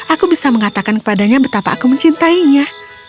aku bisa mengatakan kepadanya betapa aku mencintainya